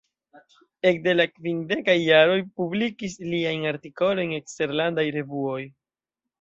Ekde la kvindekaj jaroj publikis liajn artikolojn eksterlandaj revuoj.